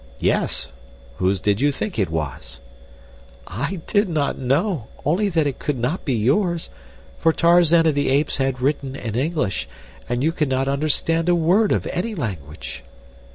"Yes, whose did you think it was?" "I did not know; only that it could not be yours, for Tarzan of the Apes had written in English, and you could not understand a word of any language."